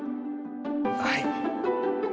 はい。